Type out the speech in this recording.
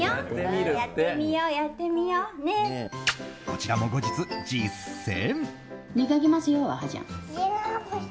こちらも後日、実践。